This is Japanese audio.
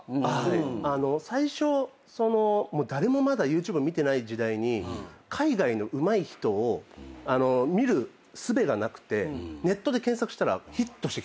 最初誰もまだＹｏｕＴｕｂｅを見てない時代に海外のうまい人を見るすべがなくてネットで検索したらヒットしてきたんですよね。